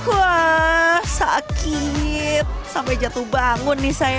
wah sakit sampai jatuh bangun nih saya